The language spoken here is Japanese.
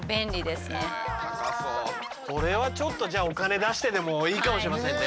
これはちょっとお金出してでもいいかもしれませんね。